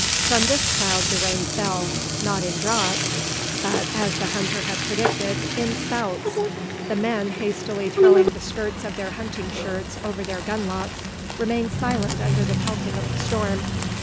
From this cloud the rain fell, not in drops, but, as the hunter had predicted, in "spouts." The men, hastily throwing the skirts of their hunting shirts over their gun locks, remained silent under the pelting of the storm.